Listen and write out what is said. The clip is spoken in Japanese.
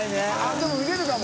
△でも見れるかも！